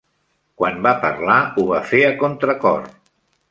Quan va parlar, ho va fer a contracor.